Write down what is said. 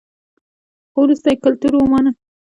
خو وروسته یې کلتور ومانه